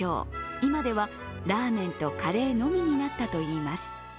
今ではラーメンとカレーのみになったといいます。